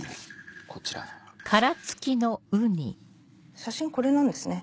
写真これなんですね。